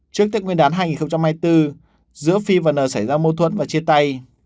trước tết nguyên đán hai nghìn hai mươi bốn giữa phi và n xảy ra mâu thuẫn và chia tay